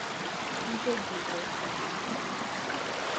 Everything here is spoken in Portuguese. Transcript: impedidas